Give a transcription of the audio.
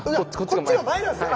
こっちが前なんですね。